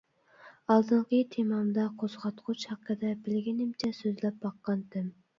ئالدىنقى تېمامدا قوزغاتقۇچ ھەققىدە بىلگىنىمچە سۆزلەپ باققانتىم.